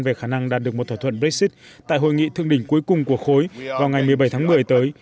về khả năng đạt được một thỏa thuận brexit tại hội nghị thương đỉnh cuối cùng của khối vào ngày một mươi bảy tháng một mươi tới